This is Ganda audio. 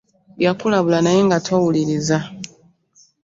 Yakulabula naye nga towuliriza.